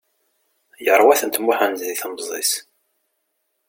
Yerwa-tent Muḥend di temẓi-s.